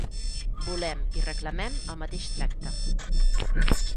Volem i reclamem el mateix tracte.